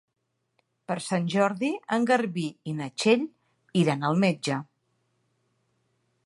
Per Sant Jordi en Garbí i na Txell iran al metge.